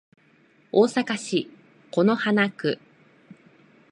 大阪市此花区